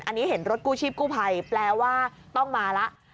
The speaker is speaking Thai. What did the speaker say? อันนี้เห็นรถกู้ชีพกู้ภัยแปลว่าต้องมาแล้ว